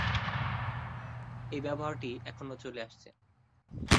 এই ব্যবহারটি এখনো চলে আসছে।